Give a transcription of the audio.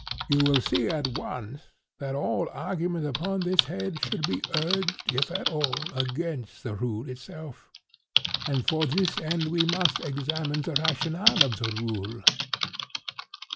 "You will see at once that all argument upon this head should be urged, if at all, against the rule itself; and for this end we must examine the rationale of the rule.